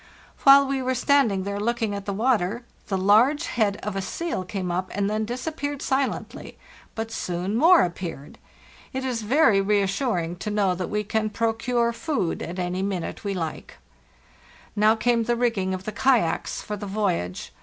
" While we were standing there looking at the water the large head of a seal came up, and then disappeared silently ; but soon more appeared. It is very reassuring 336 FARTHEST NORTH to know that we can procure food at any minute we like. "Now came the rngging of the kayaks for the voy age.